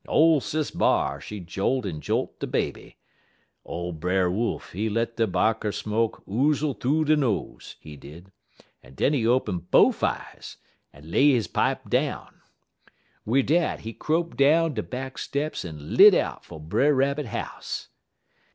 Ole Sis B'ar, she jolt en jolt de baby. Ole Brer Wolf, he let de 'barker smoke oozle thoo he nose, he did, en den he open bofe eyes en lay he pipe down. Wid dat, he crope down de back steps en lit out fer Brer Rabbit house.